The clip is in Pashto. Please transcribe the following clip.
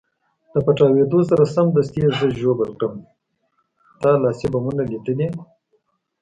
له پټاودو سره سمدستي یې زه ژوبل کړم، تا لاسي بمونه لیدلي؟